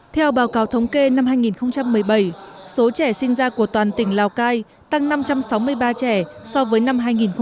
theo báo cáo thống kê năm hai nghìn một mươi bảy số trẻ sinh ra của toàn tỉnh lào cai tăng năm trăm sáu mươi ba trẻ so với năm hai nghìn một mươi bảy